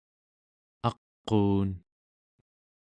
aquun¹